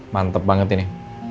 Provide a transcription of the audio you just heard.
mantep banget ini